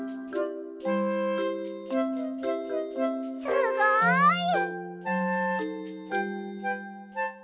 すごい！